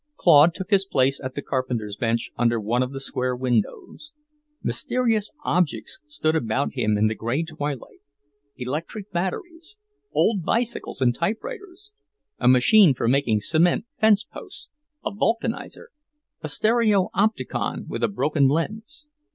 Claude took his place at the carpenter's bench under one of the square windows. Mysterious objects stood about him in the grey twilight; electric batteries, old bicycles and typewriters, a machine for making cement fence posts, a vulcanizer, a stereopticon with a broken lens.